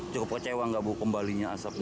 cukup kecewa nggak bu kembalinya asap ini